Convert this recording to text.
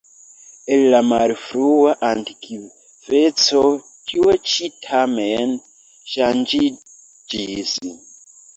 En la malfrua antikveco tio ĉi tamen ŝanĝiĝis.